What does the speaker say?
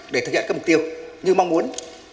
để thực hiện các mục tiêu như mong muốn